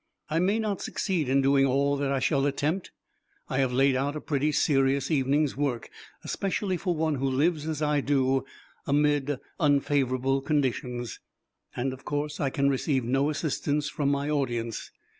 I may not succeed in doing all that I shall attempt. I have laid out a pretty serious evening's work, especially for one who lives as I do amid unfavorable conditions; and of course I can receive no assistance from my audience."